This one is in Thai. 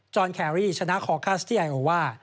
อนแครรี่ชนะคอคาสตี้ไอโอว่า